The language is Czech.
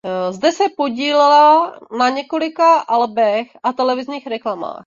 Zde se podílela na několika albech a televizních reklamách.